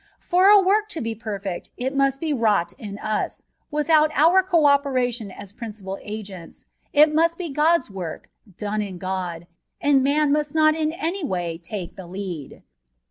For a work to be perfect, it must be wrought in us, without our co operation as principal agents ; it must be God's work, done in God, and man must not in any way take the lead.